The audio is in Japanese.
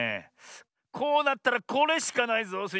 こうなったらこれしかないぞスイ